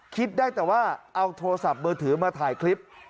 คิดได้แต่ว่าเอาโทรศัพท์มือถือมาถ่ายคลิป